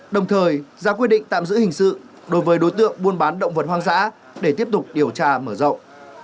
đồng thời ra quyết định tạm giữ hình sự đối với đối tượng buôn bán động vật hoang dã để tiếp tục điều tra mở rộng